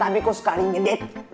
tapi kau sekali ngedate